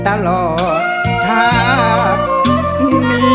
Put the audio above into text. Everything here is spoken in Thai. ตลอดถ้ามี